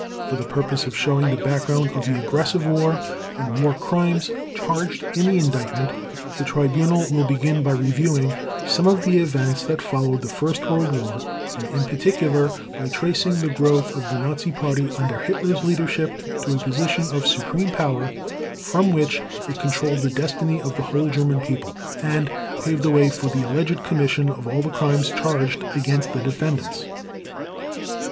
For the purpose of showing the background of the aggressive war and war crimes charged in the Indictment, the Tribunal will begin by reviewing some of the events that followed the first World War, and in particular, by tracing the growth of the Nazi Party under Hitler's leadership to a position of supreme power from which it controlled the destiny of the whole German People, and paved the way for the alleged commission of all the crimes charged against the defendants.